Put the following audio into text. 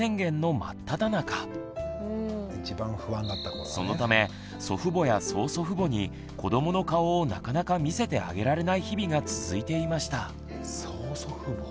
特にそのため祖父母や曽祖父母に子どもの顔をなかなか見せてあげられない日々が続いていました。